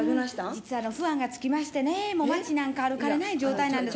実はファンがつきましてね街なんか歩かれない状態なんです。